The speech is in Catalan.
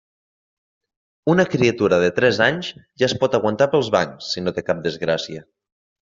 Una criatura de tres anys ja es pot aguantar pels bancs, si no té cap desgràcia.